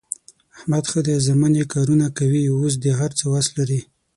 احمد ښه دی زامن یې کارونه کوي، اوس د هر څه وس لري.